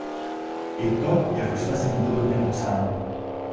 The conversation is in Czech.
I to je v usnesení podrobně popsáno.